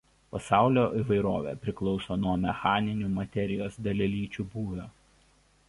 Pasaulio įvairovė priklauso nuo mechaninių materijos dalelyčių būvio.